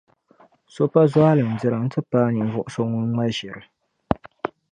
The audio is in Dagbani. So pa zualindira n-ti paai ninvuɣu so ŋun ŋma ʒiri.